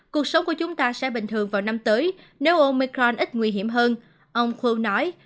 cuộc sống của chúng ta sẽ bình thường vào năm tới nếu omicron ít nguy hiểm hơn ông khô nói